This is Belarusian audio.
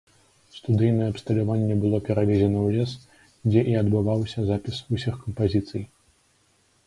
Студыйнае абсталяванне было перавезена ў лес, дзе і адбываўся запіс усіх кампазіцый.